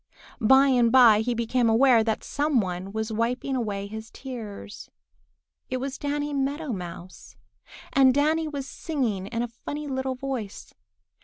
By and by he became aware that some one was wiping away his tears. It was Danny Meadow Mouse. And Danny was singing in a funny little voice.